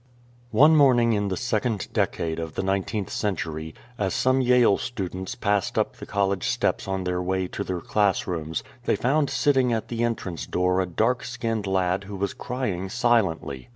ONE morning in the second decade of the nine teenth century, as some Yale students passed up the college steps on their way to their class rooms, they found sitting at the entrance door a dark skinned lad who was crying silently.